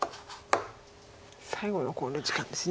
最後の考慮時間です。